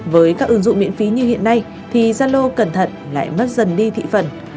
với các ứng dụng miễn phí như hiện nay thì zalo cẩn thận lại mất dần đi thị phần